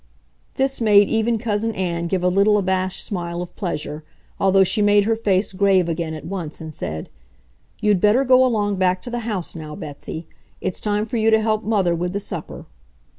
This made even Cousin Ann give a little abashed smile of pleasure, although she made her face grave again at once and said: "You'd better go along back to the house now, Betsy. It's time for you to help Mother with the supper."